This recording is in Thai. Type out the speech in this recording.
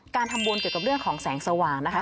การทำบุญเกี่ยวกับเรื่องของแสงสว่างนะคะ